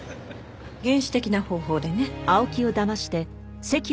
原始的な方法でね。